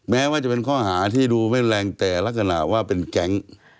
แม้ว่าจะเป็นข้อหาที่ดูไม่แรงแต่ลักษณะว่าเป็นแก๊ง